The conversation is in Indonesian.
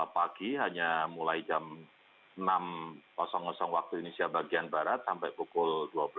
pagi hanya mulai jam enam waktu indonesia bagian barat sampai pukul dua belas